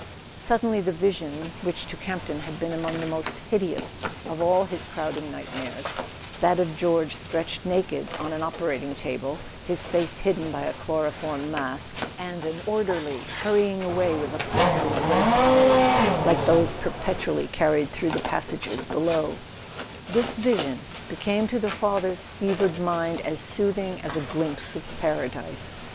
Suddenly the vision which to Campton had been among the most hideous of all his crowding nightmares—that of George stretched naked on an operating table, his face hidden by a chloroform mask, and an orderly hurrying away with a pile of red towels like those perpetually carried through the passages below—this vision became to [ 283 ] A SON AT THE FRONT the father's fevered mind as soothing as a glimpse of Paradise.